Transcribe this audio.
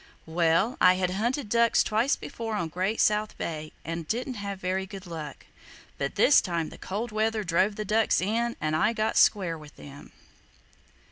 "Well, I had hunted ducks twice before on Great South Bay and didn't have very good luck; but this time the cold weather drove the ducks in, and I got square with them!"